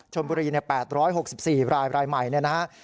ชมบุรี๘๖๔รายรายใหม่นะครับ